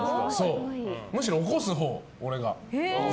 むしろ起こすほう、俺が。